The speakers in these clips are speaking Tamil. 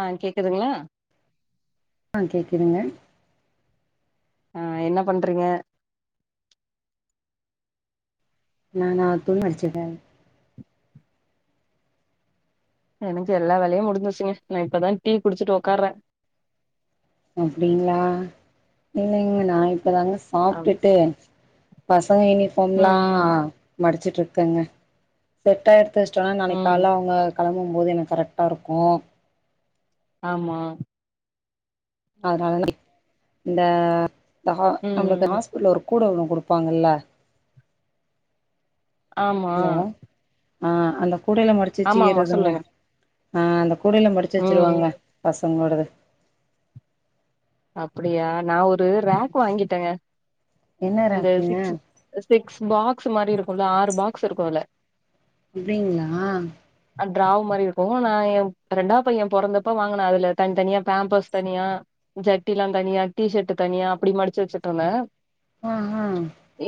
ஆ கேக்குதுங்ளா ஆ கேக்குதுங்க ஆ என்ன பண்றீங்க வேனாத்து நடிச்சிருக்கே எனக்கு எல்லா வேலையு முடிஞ்சிருச்சுங்க நா இப்பதா டீ குடிச்சிட்டு ஒக்காற அப்டிங்களா இல்லைங்க நா இப்பதாங்க ம் சாப்டுட்டு பசங்க யூனிஃபாம்லா ம் மடிச்ட்டு இருக்கங்க செட் ஆ எத்து வஷ்டோனா நாளைக்கு ம் கால்ல அவுங்க கெளம்பு போது எனக்கு கரெக்டா இருக்கு ஆமா அதனால இந்த த ஹா ம் நம்மளுக்கு ம் ஹாஸ்பிட்லருக் கூட ஒன்னு குடுப்பாங்கல்ல ஆமா ஹலோ ஆ அந்த கூடைல மடிச்சி ஆமா ஆமா வச்சீருதுங்க சொல்லுங்க ஆ அந்த கூடைல மடிச்சி ம் ம் வச்சுருவாங்க பசங்களோடது அப்டியா நா ஒரு ரேக் வாங்கிட்டங்க என்ன இந்த ராக்குங்க சிக்ஸ் ஸ்பெக்ஸ் பாக்ஸ் மாரி இருக்குல்ல ஆறு பாக்ஸ் இருக்கு இல்ல அப்டிங்ளா அ ட்ராவ் மாரி இருக்கவு நா எ ரெண்டா பைய பொறந்தப்ப வாங்கன அதுல தன் தனியா பேம்பஸ் தனியா ஜட்டிலா தனியா டி ஷட்டு தனியா அப்டி மடிச்சி வச்சிட்ருந்த ஆஹா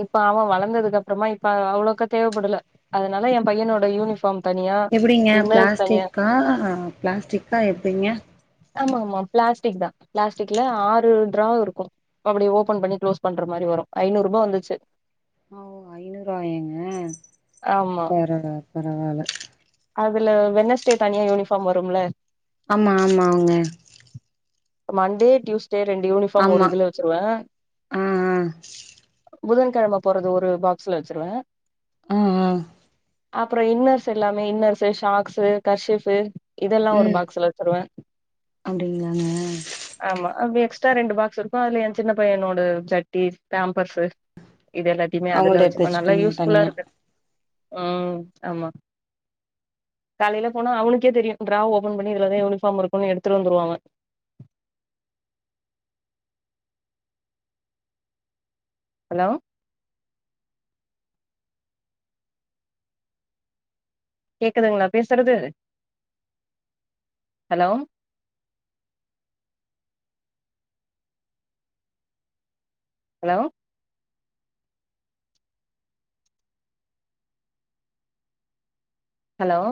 இப்ப அவ வளந்ததுக்கு அப்புறமா இப்ப அவ்ளோக்கா தேவப்படல அதனால எ பையனோட யூனிஃபாம் எப்படிங்க பிளாஸ்டிக்கா பிளாஸ்டிக்கா எப்டிங்க ஆமா ஆமா பிளாஸ்டிக் தா பிளாஸ்டிக்ல ஆறு ட்ரா இருக்கு அப்டி ஓபன் பண்ணி க்ளோஸ் பண்ற மாரி வரு ஐநூறுபா வந்துச்சி ஓ ஐநூறுவாய்ங்க ஆமா பரவா பரவால அதுல வெனஸ்டே தனியா யூனிஃபாம் வரும் இல்ல ஆமா ஆமா அவுங்க மண்டே டியூஸ் சேர் ரெண்டு யூனிஃபாம் ஆமா ஒரு இதுல வச்சிருவே ஆ புதன்கெழம போறது ஒரு பாக்ஸ்ல வச்சுருவே ம் ம் அப்புற இன்னர்ஸ் எல்லாமே இன்னர்ஸு ஷாக்ஸு கர்ஷிப்பு இதெல்லா ஒரு ம் பாக்ஸ்ல வச்சருவ அப்டிங்களாங்க ஆமா அ எக்ஸ்ட்ரா ரெண்டு பாக்ஸ் இருக்கு அதுல எ சின்ன பையனோட ஜட்டி பேம்பர்ஸு இது எல்லாத்தையுமே அதுல அவங்கள்ட்ட எடுத்து வச்சுப்போ நல்லா வச்சுப்பீங்க யூஸ் ஃபுல்லா தனியா இருக்கு ம் ஆமா காலைல போனா அவனுக்கே தெரியு ட்ரா ஓப்பன் பண்ணி இதுல எதா யூனிஃபாம் இருக்குனு எடுத்துரு வந்துருவாங்க ஹலோ கேக்குதுங்ளா பேஸ்றது ஹலோ ஹலோ ஹலோ